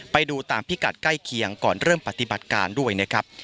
ไปดูตามพิกัดใกล้เคียงก่อนเริ่มปฏิบัติการด้วยนะครับ